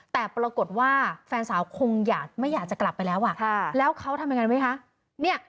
แต่ปรากฏว่าแฟนสาวคงอยากไม่อยากจะกลับไปแล้วแล้วเขาทำยังไงไหมคะ